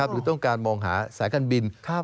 หรือต้องการมองหาสายการบิน